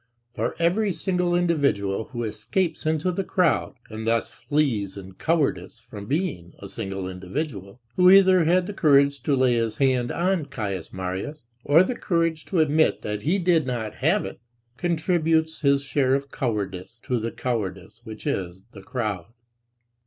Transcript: For every single individual who escapes into the crowd, and thus flees in cowardice from being a single individual (who either had the courage to lay his hand on Caius Marius, or the courage to admit that he did not have it), contributes his share of cowardice to "the cowardice," which is: the crowd.